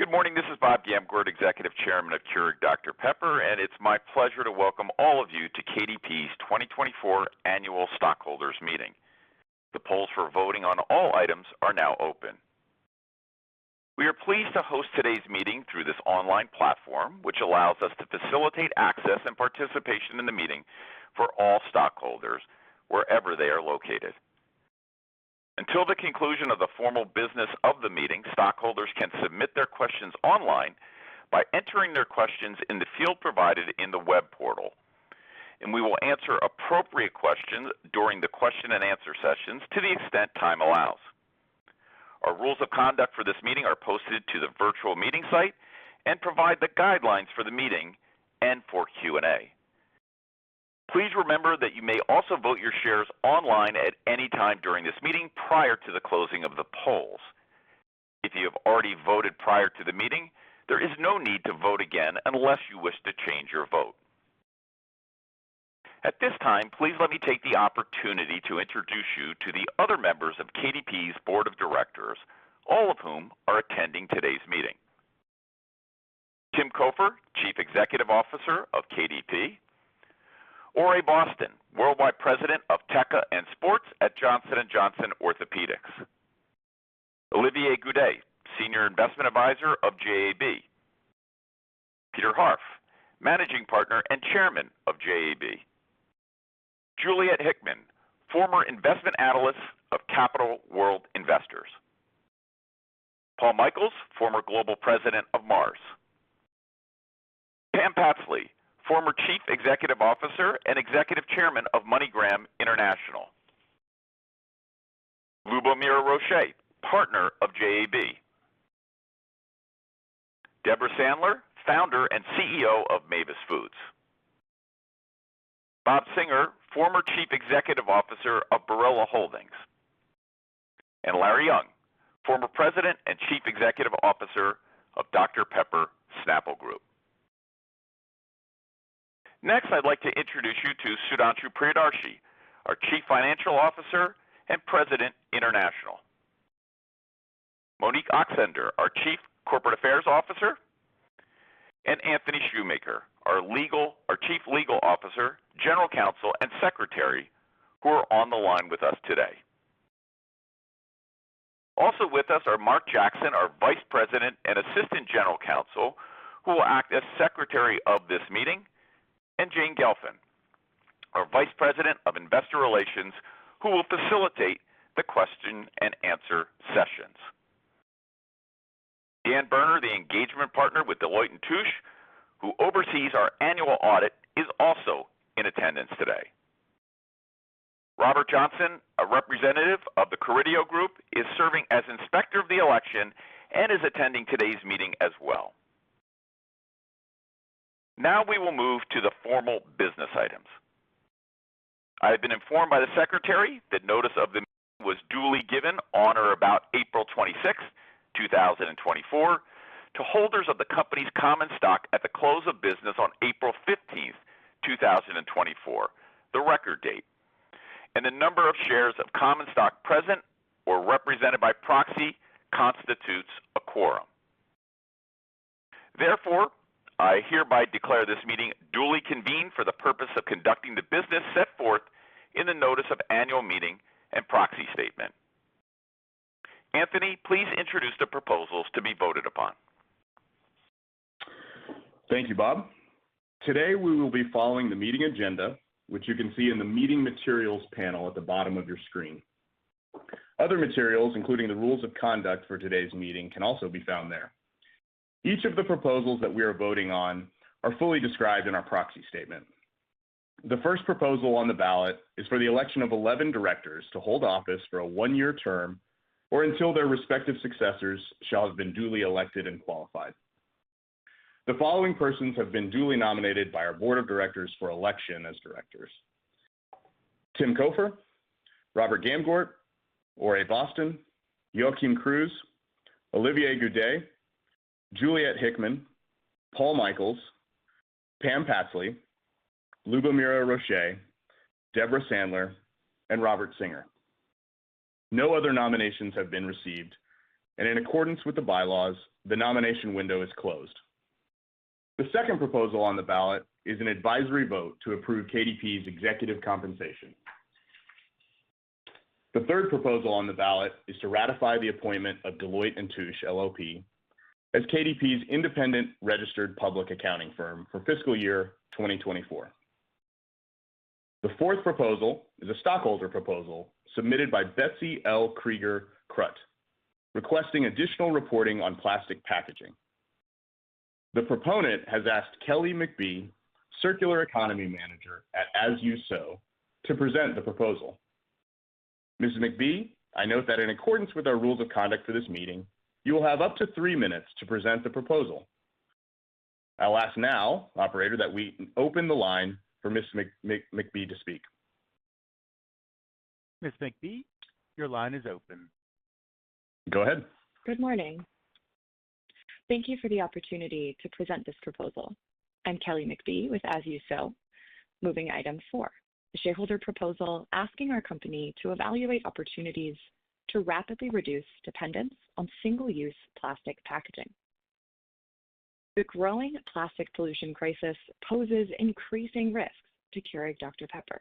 Good morning. This is Bob Gamgort, Executive Chairman of Keurig Dr Pepper, and it's my pleasure to welcome all of you to KDP's 2024 Annual Stockholders Meeting. The polls for voting on all items are now open. We are pleased to host today's meeting through this online platform, which allows us to facilitate access and participation in the meeting for all stockholders, wherever they are located. Until the conclusion of the formal business of the meeting, stockholders can submit their questions online by entering their questions in the field provided in the web portal, and we will answer appropriate questions during the question and answer sessions to the extent time allows. Our rules of conduct for this meeting are posted to the virtual meeting site and provide the guidelines for the meeting and for Q&A. Please remember that you may also vote your shares online at any time during this meeting prior to the closing of the polls. If you have already voted prior to the meeting, there is no need to vote again unless you wish to change your vote. At this time, please let me take the opportunity to introduce you to the other members of KDP's Board of Directors, all of whom are attending today's meeting: Tim Cofer, Chief Executive Officer of KDP, Oray Boston, Worldwide President of TECA and Sports at Johnson & Johnson Orthopedics, Olivier Goudet, Senior Investment Advisor of JAB, Peter Harf, Managing Partner and Chairman of JAB, Juliet Hickman, former Investment Analyst of Capital World Investors, Paul Michaels, former Global President of Mars, Pam Patsley, former Chief Executive Officer and Executive Chairman of MoneyGram International, Lubomira Rochet, Partner of JAB, Deborah Sandler, Founder and CEO of Mavis Foods, Bob Singer, former Chief Executive Officer of Barilla Holdings, and Larry Young, former President and Chief Executive Officer of Dr Pepper Snapple Group. Next, I'd like to introduce you to Sudhanshu Priyadarshi, our Chief Financial Officer and President, International, Monique Oxender, our Chief Corporate Affairs Officer, and Anthony Shoemaker, our Chief Legal Officer, General Counsel, and Secretary who are on the line with us today. Also with us are Mark Jackson, our Vice President and Assistant General Counsel, who will act as Secretary of this meeting. And Jane Gelfand, our Vice President of Investor Relations, who will facilitate the question and answer sessions. Dan Berner, the Engagement Partner with Deloitte & Touche, who oversees our annual audit, is also in attendance today. Robert Johnson, a representative of the Carideo Group, is serving as Inspector of the Election and is attending today's meeting as well. Now we will move to the formal business items. I have been informed by the Secretary that notice of the meeting was duly given on or about April 26, 2024, to holders of the company's common stock at the close of business on April 15, 2024, the record date, and the number of shares of common stock present or represented by proxy constitutes a quorum. Therefore, I hereby declare this meeting duly convened for the purpose of conducting the business set forth in the Notice of Annual Meeting and Proxy Statement. Anthony, please introduce the proposals to be voted upon. Thank you, Bob. Today we will be following the meeting agenda, which you can see in the Meeting Materials panel at the bottom of your screen. Other materials, including the rules of conduct for today's meeting, can also be found there. Each of the proposals that we are voting on are fully described in our Proxy Statement. The first proposal on the ballot is for the election of 11 directors to hold office for a one-year term or until their respective successors shall have been duly elected and qualified. The following persons have been duly nominated by our Board of Directors for election as directors: Tim Cofer, Robert Gamgort, Oray Boston, Joachim Creus, Olivier Goudet, Juliet Hickman, Paul Michaels, Pam Patsley, Lubomira Rochet, Deborah Sandler, and Robert Singer. No other nominations have been received, and in accordance with the bylaws, the nomination window is closed. The second proposal on the ballot is an advisory vote to approve KDP's executive compensation. The third proposal on the ballot is to ratify the appointment of Deloitte & Touche LLP as KDP's independent registered public accounting firm for fiscal year 2024. The fourth proposal is a stockholder proposal submitted by Betsy L. Krieger Trust, requesting additional reporting on plastic packaging. The proponent has asked Kelly McBee, Circular Economy Manager at As You Sow, to present the proposal. Ms. McBee, I note that in accordance with our rules of conduct for this meeting, you will have up to three minutes to present the proposal. I'll ask now, Operator, that we open the line for Ms. McBee to speak. Ms. McBee, your line is open. Go ahead. Good morning. Thank you for the opportunity to present this proposal. I'm Kelly McBee with As You Sow, moving item four, the shareholder proposal asking our company to evaluate opportunities to rapidly reduce dependence on single-use plastic packaging. The growing plastic pollution crisis poses increasing risks to Keurig Dr Pepper.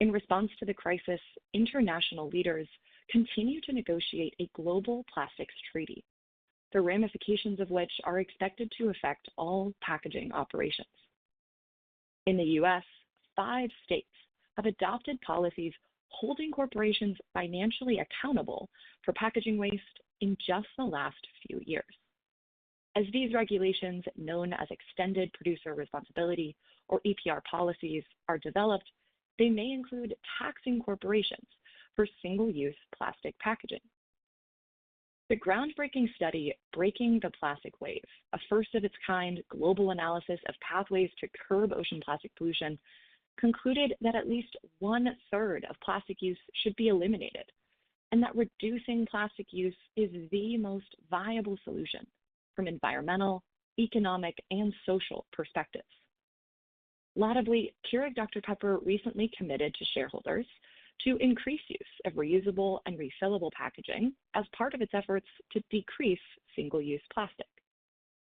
In response to the crisis, international leaders continue to negotiate a global plastics treaty, the ramifications of which are expected to affect all packaging operations. In the U.S., five states have adopted policies holding corporations financially accountable for packaging waste in just the last few years. As these regulations, known as Extended Producer Responsibility or EPR policies, are developed, they may include taxing corporations for single-use plastic packaging. The groundbreaking study "Breaking the Plastic Wave: A First of Its Kind" global analysis of pathways to curb ocean plastic pollution concluded that at least one-third of plastic use should be eliminated and that reducing plastic use is the most viable solution from environmental, economic, and social perspectives. Latterly, Keurig Dr Pepper recently committed to shareholders to increase use of reusable and refillable packaging as part of its efforts to decrease single-use plastic.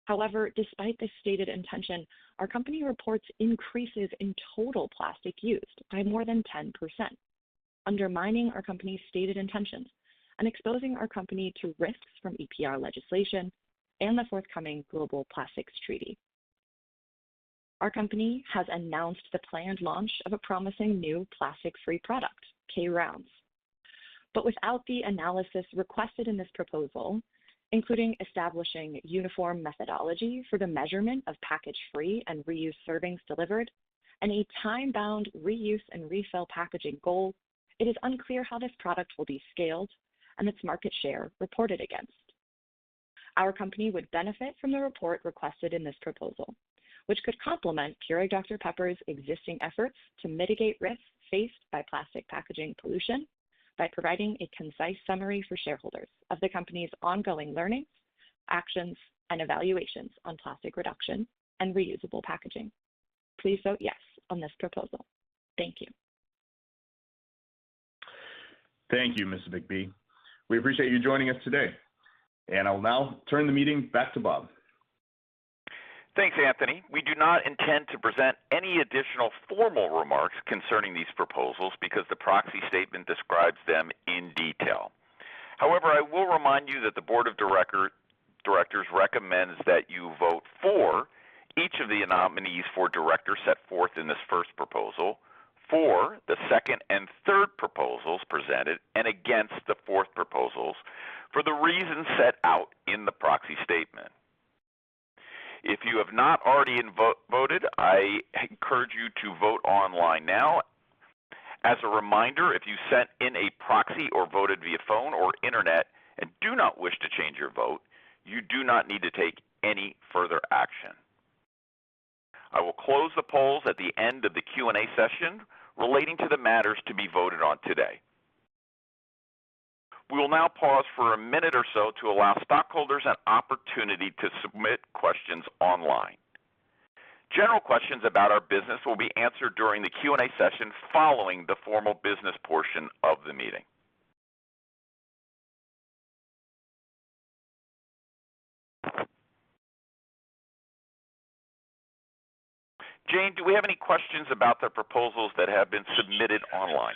However, despite this stated intention, our company reports increases in total plastic use by more than 10%, undermining our company's stated intentions and exposing our company to risks from EPR legislation and the forthcoming global plastics treaty. Our company has announced the planned launch of a promising new plastic-free product, K-Rounds, but without the analysis requested in this proposal, including establishing a uniform methodology for the measurement of package-free and reused servings delivered and a time-bound reuse and refill packaging goal, it is unclear how this product will be scaled and its market share reported against. Our company would benefit from the report requested in this proposal, which could complement Keurig Dr Pepper's existing efforts to mitigate risks faced by plastic packaging pollution by providing a concise summary for shareholders of the company's ongoing learnings, actions, and evaluations on plastic reduction and reusable packaging. Please vote yes on this proposal. Thank you. Thank you, Ms. McBee. We appreciate you joining us today, and I'll now turn the meeting back to Bob. Thanks, Anthony. We do not intend to present any additional formal remarks concerning these proposals because the Proxy Statement describes them in detail. However, I will remind you that the Board of Directors recommends that you vote for each of the nominees for directors set forth in this first proposal, for the second and third proposals presented, and against the fourth proposal for the reasons set out in the Proxy Statement. If you have not already voted, I encourage you to vote online now. As a reminder, if you sent in a proxy or voted via phone or internet and do not wish to change your vote, you do not need to take any further action. I will close the polls at the end of the Q&A session relating to the matters to be voted on today. We will now pause for a minute or so to allow stockholders an opportunity to submit questions online. General questions about our business will be answered during the Q&A session following the formal business portion of the meeting. Jane, do we have any questions about the proposals that have been submitted online?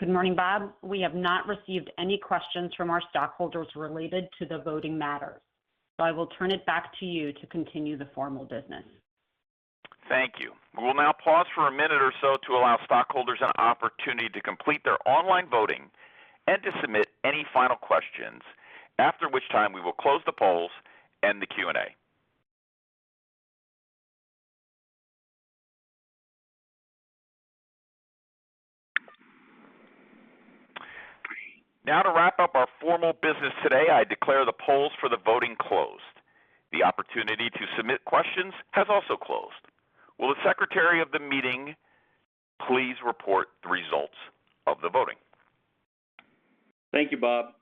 Good morning, Bob. We have not received any questions from our stockholders related to the voting matters, so I will turn it back to you to continue the formal business. Thank you. We will now pause for a minute or so to allow stockholders an opportunity to complete their online voting and to submit any final questions, after which time we will close the polls and the Q&A. Now, to wrap up our formal business today, I declare the polls for the voting closed. The opportunity to submit questions has also closed. Will the Secretary of the meeting please report the results of the voting? Thank you, Bob.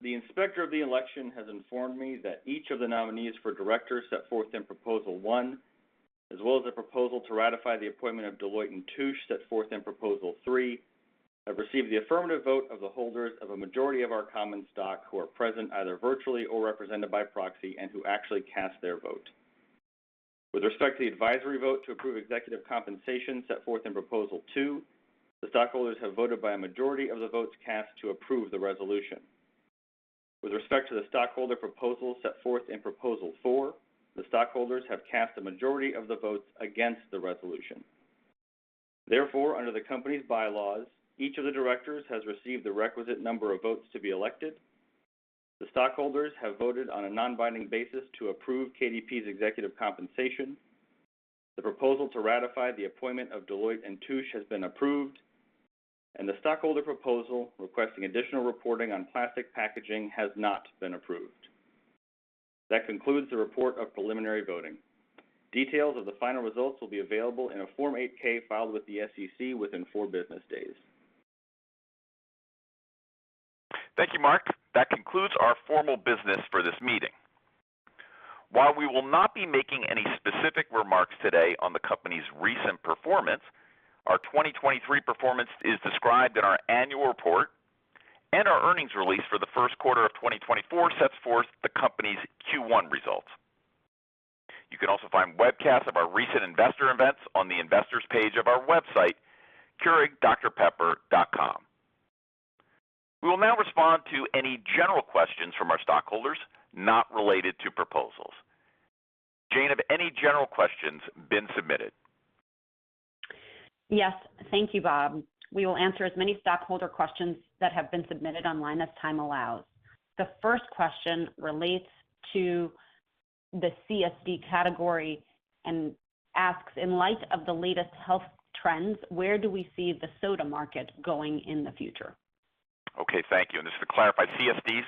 The Inspector of the Election has informed me that each of the nominees for directors set forth in Proposal 1, as well as the proposal to ratify the appointment of Deloitte & Touche set forth in Proposal 3, have received the affirmative vote of the holders of a majority of our common stock who are present either virtually or represented by proxy and who actually cast their vote. With respect to the advisory vote to approve executive compensation set forth in Proposal 2, the stockholders have voted by a majority of the votes cast to approve the resolution. With respect to the stockholder proposal set forth in Proposal 4, the stockholders have cast a majority of the votes against the resolution. Therefore, under the company's bylaws, each of the directors has received the requisite number of votes to be elected. The stockholders have voted on a non-binding basis to approve KDP's executive compensation. The proposal to ratify the appointment of Deloitte & Touche has been approved, and the stockholder proposal requesting additional reporting on plastic packaging has not been approved. That concludes the report of preliminary voting. Details of the final results will be available in a Form 8-K filed with the SEC within four business days. Thank you, Mark. That concludes our formal business for this meeting. While we will not be making any specific remarks today on the company's recent performance, our 2023 performance is described in our Annual Report, and our earnings release for the first quarter of 2024 sets forth the company's Q1 results. You can also find webcasts of our recent investor events on the investors' page of our website, keurigdrpepper.com. We will now respond to any general questions from our stockholders not related to proposals. Jane, have any general questions been submitted? Yes, thank you, Bob. We will answer as many stockholder questions that have been submitted online as time allows. The first question relates to the CSD category and asks, in light of the latest health trends, where do we see the soda market going in the future? Okay, thank you. Just to clarify, CSD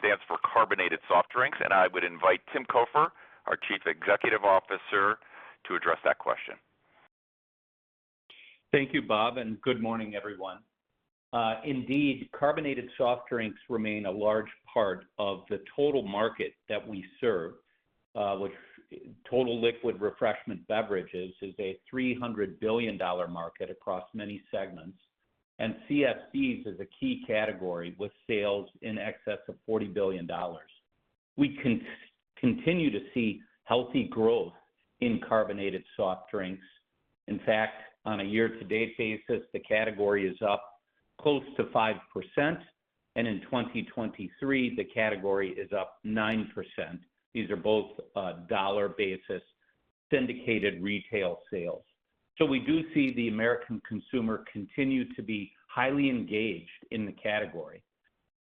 stands for Carbonated Soft Drinks, and I would invite Tim Cofer, our Chief Executive Officer, to address that question. Thank you, Bob, and good morning, everyone. Indeed, carbonated soft drinks remain a large part of the total market that we serve, which total liquid refreshment beverages is a $300 billion market across many segments, and CSD is a key category with sales in excess of $40 billion. We continue to see healthy growth in carbonated soft drinks. In fact, on a year-to-date basis, the category is up close to 5%, and in 2023, the category is up 9%. These are both dollar-basis syndicated retail sales. So we do see the American consumer continue to be highly engaged in the category.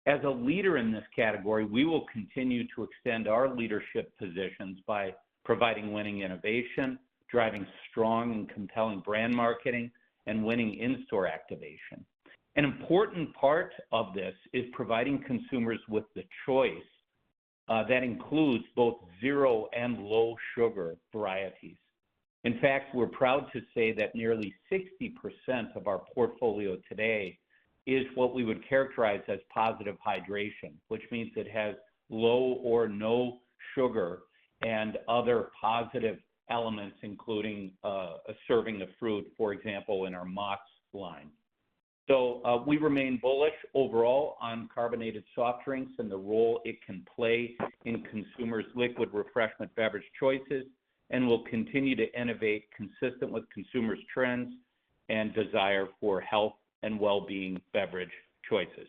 As a leader in this category, we will continue to extend our leadership positions by providing winning innovation, driving strong and compelling brand marketing, and winning in-store activation. An important part of this is providing consumers with the choice that includes both zero and low sugar varieties. In fact, we're proud to say that nearly 60% of our portfolio today is what we would characterize as Positive Hydration, which means it has low or no sugar and other positive elements, including a serving of fruit, for example, in our Mott's line. So we remain bullish overall on carbonated soft drinks and the role it can play in consumers' liquid refreshment beverage choices and will continue to innovate consistent with consumers' trends and desire for health and well-being beverage choices.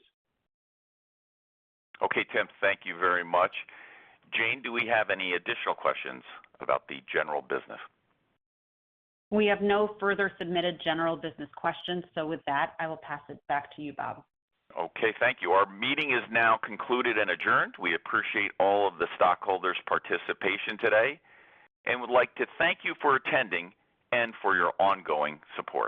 Okay, Tim, thank you very much. Jane, do we have any additional questions about the general business? We have no further submitted general business questions, so with that, I will pass it back to you, Bob. Okay, thank you. Our meeting is now concluded and adjourned. We appreciate all of the stockholders' participation today and would like to thank you for attending and for your ongoing support.